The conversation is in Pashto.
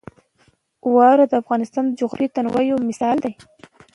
واوره د افغانستان د جغرافیوي تنوع یو مثال دی.